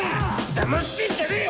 邪魔してんじゃねえよ！